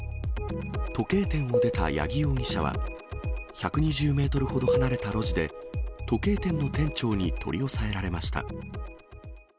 時計店を出た八木容疑者は、１２０メートルほど離れた路地で、時計店の店長に取り押さえられました。